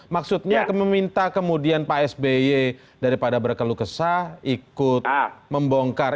maksudnya meminta kemudian pak sby daripada berkeluh kesah ikut membongkar